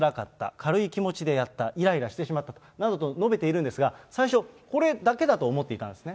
軽い気持ちでやった、いらいらしてしまったなどと述べているんですが、最初、これだけだと思っていたんですね。